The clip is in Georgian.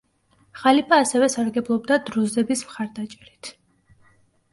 ხალიფა ასევე სარგებლობდა დრუზების მხარდაჭერით.